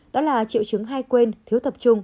đó là triệu chứng hay quên thiếu tập trung